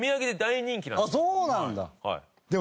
あっそうなんだ！